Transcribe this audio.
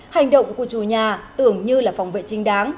hành động của chùa nhà tưởng như là phòng vệ trinh đáng